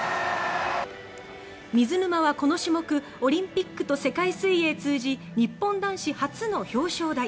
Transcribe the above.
水沼はこの種目オリンピックと世界水泳通じ日本男子初の表彰台。